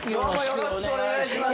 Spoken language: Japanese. よろしくお願いします。